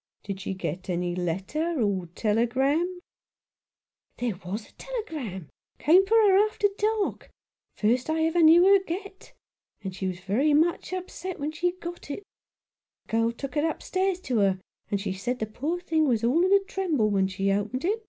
" Did she get any letter or telegram ?"" There was a telegram came for her after dark — the first I ever knew her get, and she was very much upset when she got it. The girl took it upstairs to her, and she said the poor thing was all in a tremble when she opened it."